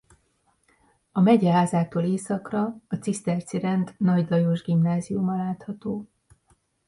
A Megyeházától északra a Ciszterci Rend Nagy Lajos Gimnáziuma látható.